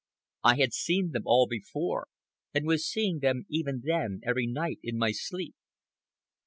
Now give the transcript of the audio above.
I had seen them all before, and was seeing them even then, every night, in my sleep.